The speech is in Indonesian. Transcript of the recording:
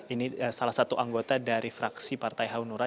ini salah satu anggota dari fraksi partai hanura